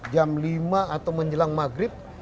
jam lima atau menjelang maghrib